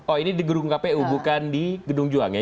oh ini di gedung kpu bukan di gedung juang ya